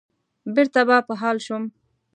بېرته به په حال شوم.